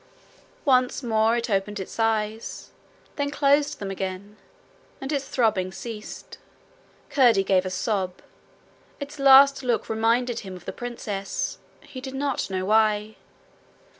Once more it opened its eyes then closed them again, and its throbbing ceased. Curdie gave a sob: its last look reminded him of the princess he did not know why.